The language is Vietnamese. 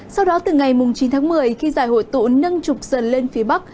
sau đó từ ngày chín tháng một mươi khi giải hội tụ nâng trục dần lên phía bắc